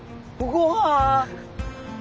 ごはん！